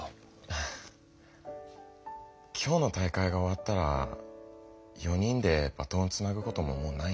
ハァ今日の大会が終わったら４人でバトンをつなぐことももうないんだよな。